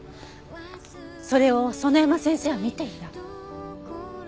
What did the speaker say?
それを園山先生は見ていた。